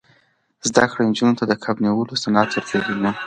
زده کړه نجونو ته د کب نیولو صنعت ور پېژني.